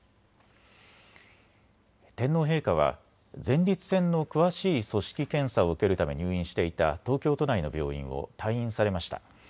天皇陛下は前立腺の詳しい組織検査を受けるため入院していた東京都内の病院を退院されました。